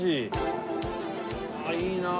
ああいいな。